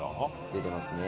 出てますね。